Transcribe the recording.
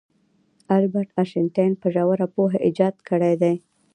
البرت انیشټین په ژوره پوهه ایجاد کړی دی.